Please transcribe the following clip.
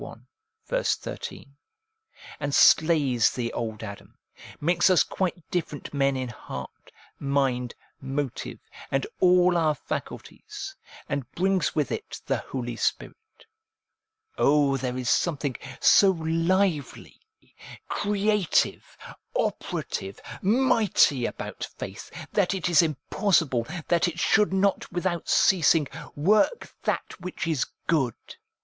13), and slays the old Adam, makes us quite different men in heart, mind ; motive, and all our faculties, and brings with it the Holy Spirit. Oh, there is something so lively, creative, operative, mighty about faith, that it is impossible that it should not without ceasing work that which is good.